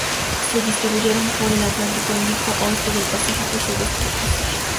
Se distribuyen por el Atlántico, Índico, oeste del Pacífico y sudeste del Pacífico.